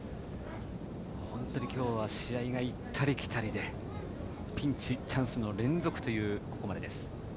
本当に今日は試合が行ったり来たりでピンチ、チャンスの連続というここまでです。